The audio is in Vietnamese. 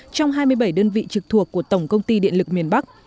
trong hai mươi bảy đơn vị trực thuộc của tổng công ty điện lực miền bắc